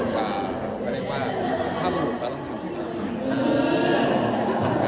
ก็ได้ว่าสภาพผู้หลุมก็ต้องการคุณตามมา